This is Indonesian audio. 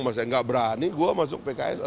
masa gak berani gue masuk pks